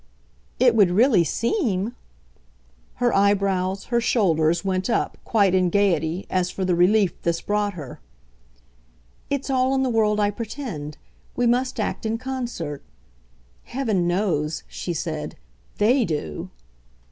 "It would really seem!" Her eyebrows, her shoulders went up, quite in gaiety, as for the relief this brought her. "It's all in the world I pretend. We must act in concert. Heaven knows," she said, "THEY do!"